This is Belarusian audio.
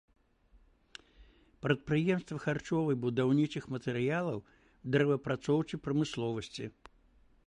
Прадпрыемствы харчовай, будаўнічых матэрыялаў, дрэваапрацоўчай прамысловасці.